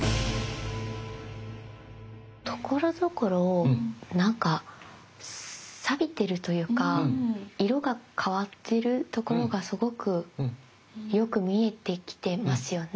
ところどころなんかさびてるというか色が変わってるところがすごくよく見えてきてますよね？